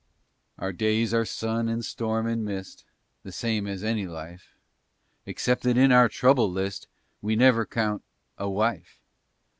Our days are sun and storm and mist, The same as any life, Except that in our trouble list We never count a wife.